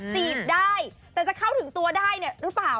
จีบได้แต่จะเข้าถึงตัวได้เนี่ยหรือเปล่า